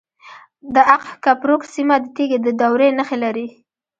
د اق کپروک سیمه د تیږې د دورې نښې لري